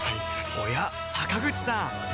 おや坂口さん